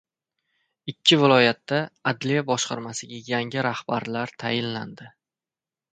Ikki viloyatda adliya boshqarmasiga yangi rahbarlar tayinlandi